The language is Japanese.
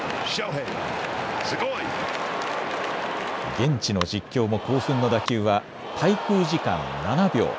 現地の実況も興奮の打球は滞空時間７秒。